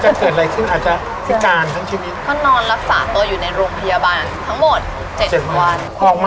จะเกิดอะไรขึ้นอาจจะพิการทั้งชิ้นนี้ก็นอนรักษาตัวอยู่ในโรงพยาบาลทั้งหมด๗๗วัน